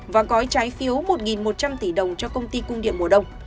và có trái phiếu một một trăm linh tỷ đồng cho công ty cung điện mùa đông